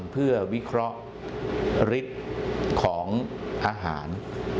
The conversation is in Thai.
เพื่อวิเคราะห์ฤทธิ์ของอาหาร